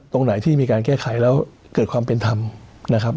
ตรงไหนที่มีการแก้ไขแล้วเกิดความเป็นธรรมนะครับ